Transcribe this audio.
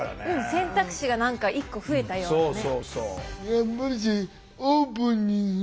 選択肢が何か１個増えたようなね。